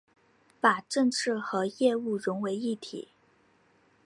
把政治和业务融为一体